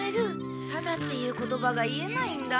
タダっていう言葉が言えないんだ。